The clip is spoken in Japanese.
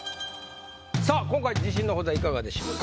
さあ今回自信の程はいかがでしょうか？